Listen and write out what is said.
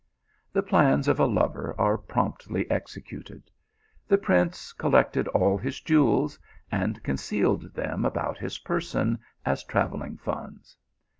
The plans of a lover are promptly executed. The prince collected all his jewels and concealed them about his person as travelling funds.